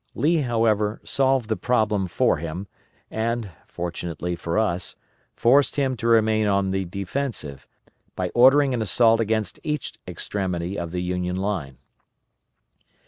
Lee, however, solved the problem for him, and, fortunately for us, forced him to remain on the defensive, by ordering an assault against each extremity of the Union line.